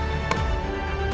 aku mau pergi